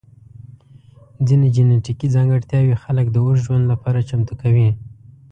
ځینې جنیټیکي ځانګړتیاوې خلک د اوږد ژوند لپاره چمتو کوي.